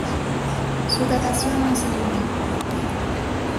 Su datación no es segura.